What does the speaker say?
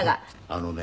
あのね